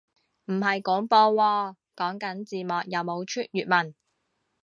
唔係廣播喎，講緊字幕有冇出粵文